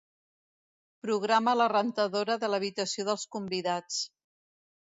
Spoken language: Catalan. Programa la rentadora de l'habitació dels convidats.